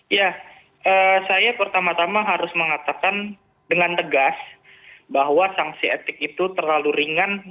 ya saya pertama tama harus mengatakan dengan tegas bahwa sanksi etik itu terlalu ringan